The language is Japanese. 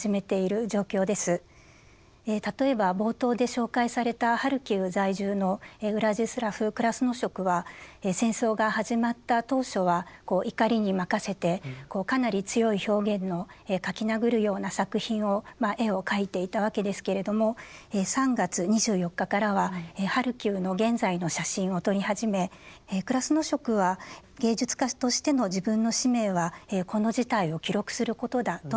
例えば冒頭で紹介されたハルキウ在住のウラジスラフ・クラスノショクは戦争が始まった当初は怒りに任せてかなり強い表現の描き殴るような作品をまあ絵を描いていたわけですけれども３月２４日からはハルキウの現在の写真を撮り始めクラスノショクは芸術家としての自分の使命はこの事態を記録することだと述べています。